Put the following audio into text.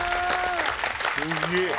すげえ！